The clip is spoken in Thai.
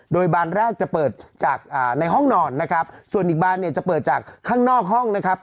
โดยบานแรกจะเปิดจากในห้องนอนนะครับส่วนอีกบานเนี่ยจะเปิดจากข้างนอกห้องนะครับ